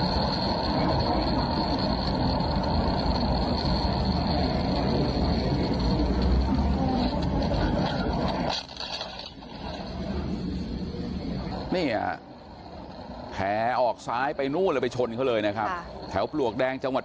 เนี่ยแผลออกซ้ายไปนู่นเลยไปชนเขาเลยนะครับแถวปลวกแดงจังหวัด